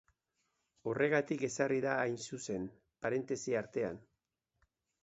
Horregatik ezarri da, hain zuzen, parentesi artean.